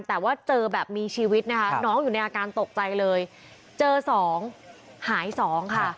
แต่ว่าเจอแบบมีชีวิตนะคะน้องอยู่ในอาการตกใจเลยเจอสองหายสองค่ะ